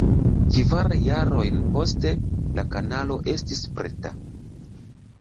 Kvar jarojn poste la kanalo estis preta.